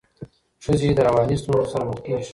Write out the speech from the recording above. ښځي د رواني ستونزو سره مخ کيږي.